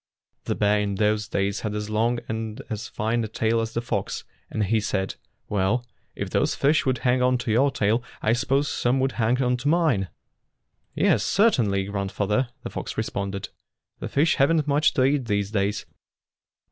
The bear in those days had as long and as fine a tail as the fox, and he said, "Well, if those fish would hang on to your tail, I suppose some would hang on to mine." "Yes, certainly, grandfather," the fox responded. "The fish have n't much to eat these days.